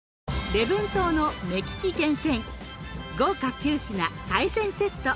礼文島の目利き厳選豪華９品海鮮セット。